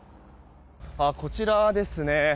こちらですね。